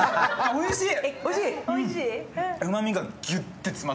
おいひい。